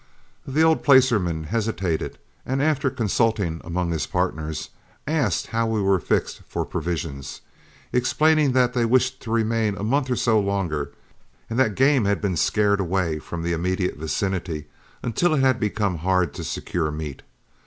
The old placerman hesitated, and after consulting among his partners, asked how we were fixed for provision, explaining that they wished to remain a month or so longer, and that game had been scared away from the immediate vicinity, until it had become hard to secure meat.